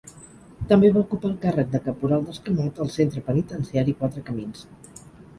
També va ocupar el càrrec de caporal d'escamot al Centre Penitenciari Quatre Camins.